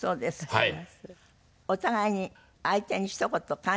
はい。